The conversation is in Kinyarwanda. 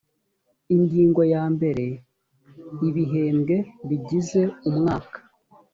ingingo ya mbere ibihembwe bigize umwaka